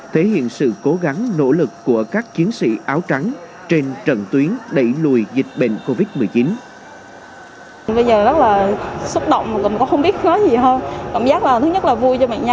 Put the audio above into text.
thể hiện sự cố gắng nỗ lực của các chiến sĩ áo trắng trên trận tuyến đẩy lùi dịch bệnh covid một mươi chín